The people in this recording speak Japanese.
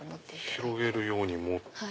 広げるように持って。